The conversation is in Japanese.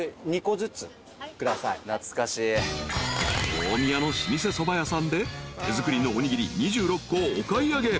［大宮の老舗そば屋さんで手作りのおにぎり２６個をお買い上げ。